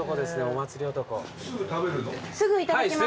すぐいただきます。